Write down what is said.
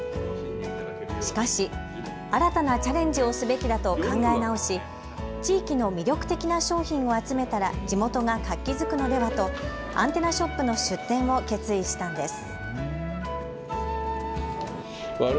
しかし、新たなチャレンジをすべきだと考え直し地域の魅力的な商品を集めたら地元が活気づくのではとアンテナショップの出店を決意したんです。